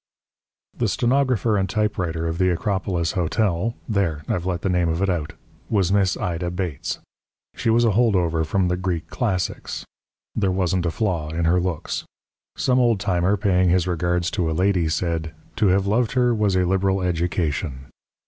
The stenographer and typewriter of the Acropolis Hotel (there! I've let the name of it out!) was Miss Ida Bates. She was a hold over from the Greek classics. There wasn't a flaw in her looks. Some old timer paying his regards to a lady said: "To have loved her was a liberal education."